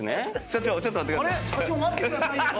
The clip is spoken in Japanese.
社長待ってくださいよ。